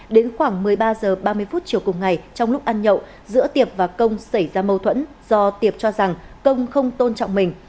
đến khoảng một mươi ba h ba mươi phút chiều cùng ngày trong lúc ăn nhậu giữa tiệp và công xảy ra mâu thuẫn do tiệp cho rằng công không tôn trọng mình